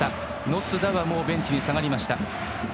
野津田はベンチに下がりました。